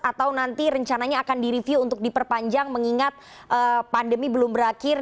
atau nanti rencananya akan direview untuk diperpanjang mengingat pandemi belum berakhir